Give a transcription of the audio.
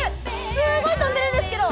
すごい飛んでるんですけど。